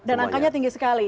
dan angkanya tinggi sekali